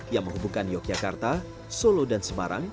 yang menghubungkan yogyakarta solo dan semarang